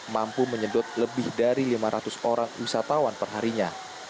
mampu menyedot lebih dari lima ratus orang wisatawan perharinya